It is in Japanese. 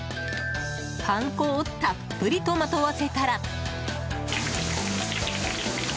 パン粉をたっぷりとまとわせたら。